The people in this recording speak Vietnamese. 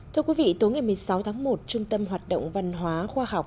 thưa quý vị tối ngày một mươi sáu tháng một trung tâm hoạt động văn hóa khoa học